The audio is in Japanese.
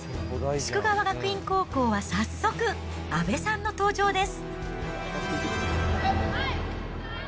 夙川学院高校は早速、阿部さんの登場です。